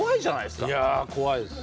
いや怖いです。